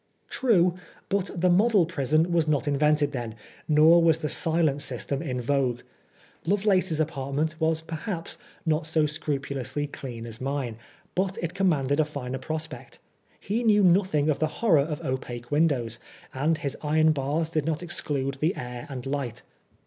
True, but the model prison was not invented then, nor was the silent system in vogue. Lovelace's apartment was, perhaps, not so scrupulously clean as mine, but it commanded a finer prospect. He knew nothing of the horror of opaque windows, and his iron bars did not exclude the air and light.